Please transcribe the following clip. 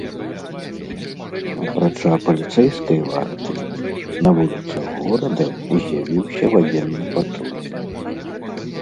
Апрача паліцэйскай варты, на вуліцах горада з'явіўся ваенны патруль.